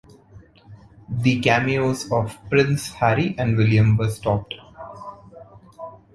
The cameos of Prince Harry and William were stopped.